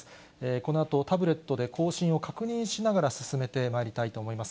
このあとタブレットで更新を確認しながら進めてまいりたいと思います。